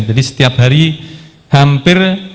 jadi setiap hari hampir